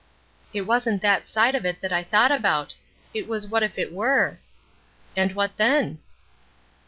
"It wasn't that side of it that I thought about. It was what if it were." "And what then?"